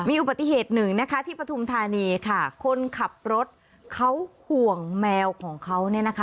มีอุบัติเหตุหนึ่งนะคะที่ปฐุมธานีค่ะคนขับรถเขาห่วงแมวของเขาเนี่ยนะคะ